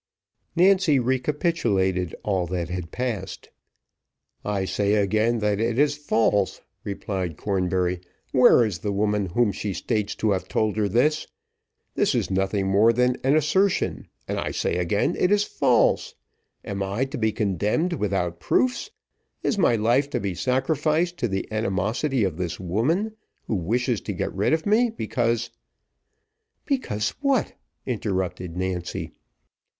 Nancy recapitulated all that had passed. "I say again, that it is false," replied Cornbury. "Where is the woman whom she states to have told her this? This is nothing more than assertion, and I say again, it is false. Am I to be condemned without proofs? Is my life to be sacrificed to the animosity of this woman, who wishes to get rid of me, because " "Because what?" interrupted Nancy.